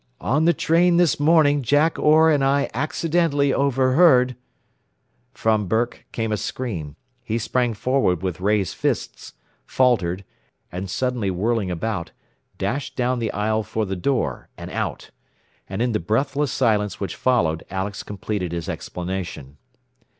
"On the train this morning Jack Orr and I accidentally overheard " From Burke came a scream, he sprang forward with raised fists, faltered, and suddenly whirling about, dashed down the aisle for the door, and out. And in the breathless silence which followed Alex completed his explanation.